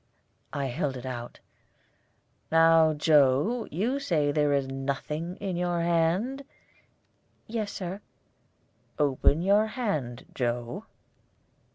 I held it out. "Now, Joe, you say that there is nothing in your hand?" "Yes, Sir." "Open your hand, Joe."